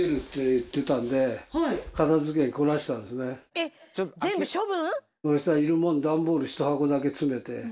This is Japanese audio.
えっ全部処分！？